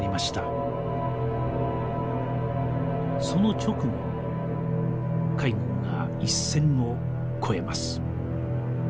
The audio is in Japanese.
その直後海軍が一線を越えます。